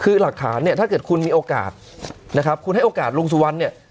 คือหลักฐานเนี่ยถ้าเกิดคุณมีโอกาสนะครับคุณให้โอกาสลุงสุวรรณเนี่ย